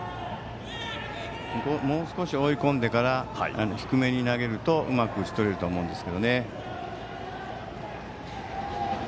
もう少し追い込んでから低めに投げるとうまく打ち取れると思います。